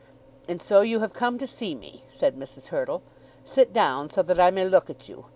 "And so you have come to see me," said Mrs. Hurtle. "Sit down so that I may look at you.